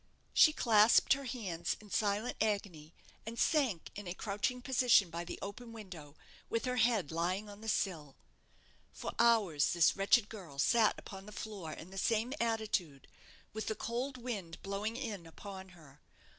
She clasped her hands in silent agony, and sank in a crouching position by the open window, with her head lying on the sill. For hours this wretched girl sat upon the floor in the same attitude, with the cold wind blowing in upon her.